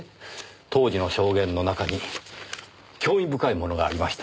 当時の証言の中に興味深いものがありました。